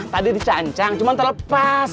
tadi dicancang cuman terlepas